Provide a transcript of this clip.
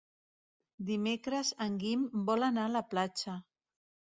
Dimecres en Guim vol anar a la platja.